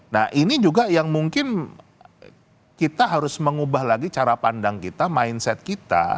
nah ini juga yang mungkin kita harus mengubah lagi cara pandang kita mindset kita